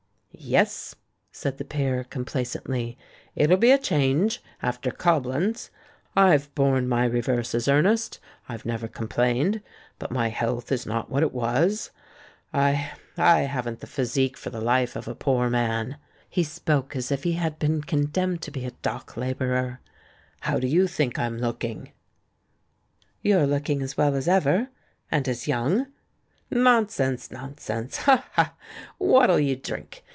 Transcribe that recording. "Yes," said the peer, complacently, "it'll be a change after Coblenz. I've borne my reverses, Ernest, I've never complained ; but my health is not what it was. I — I haven't the physique for THE BACK OF BOHEMIA S07 the life of a poor man." He spoke as if he had been condemned to be a dock labourer. "How do you think I'm looking?" "You're looking as well as ever — and as young." "Nonsense, nonsense! Ha! ha! What'll you drink?